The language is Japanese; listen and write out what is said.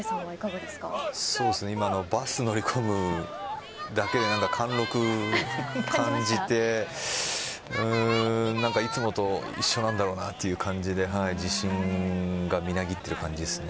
今のバスに乗りこむだけでなんか貫禄を感じて何か、いつもと一緒なんだろうなという感じで自信がみなぎっている感じですね。